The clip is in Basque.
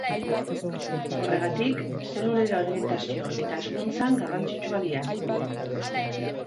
Horregatik, zelulen orientazio eta hazkuntzan garrantzitsuak dira.